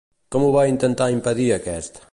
Com ho va intentar impedir aquest?